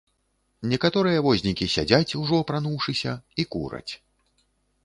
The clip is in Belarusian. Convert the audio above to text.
Некаторыя вознікі сядзяць, ужо апрануўшыся, і кураць.